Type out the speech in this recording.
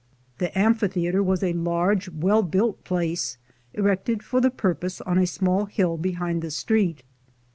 The amphitheater was a large well built place, erected for the purpose on a small hill be hind the street.